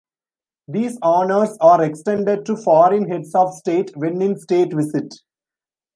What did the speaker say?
These honors are extended to foreign heads of state when in State visit.